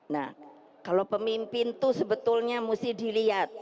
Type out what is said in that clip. nah kalau pemimpin itu sebetulnya mesti dilihat